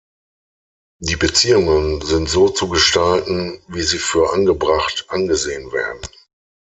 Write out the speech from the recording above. Die Beziehungen sind so zu gestalten, wie sie für angebracht angesehen werden.